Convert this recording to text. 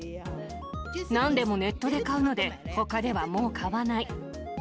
なんでもネットで買うので、ほかではもう買わない。